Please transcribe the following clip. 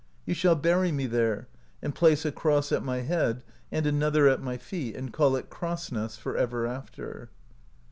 Ye shall bury me there, and place a cross at my head, and another at my feet, and call it Crossness for ever after."